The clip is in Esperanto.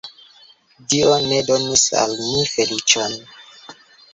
Dio ne donis al ni feliĉon!